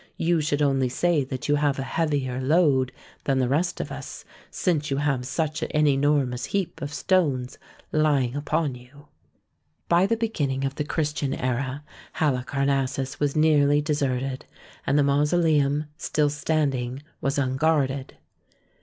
You should only say that you have a heavier load than the rest of us, since you have such an enormous heap of stones lying upon you. By the beginning of the Christian era Halicar nassus was nearly deserted, and the mausoleum, still standing, was unguarded.